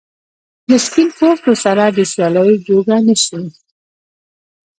له سپین پوستو سره د سیالۍ جوګه نه شي.